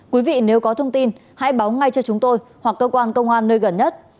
quý vị nếu có thông tin hãy báo ngay cho chúng tôi hoặc cơ quan công an nơi gần nhất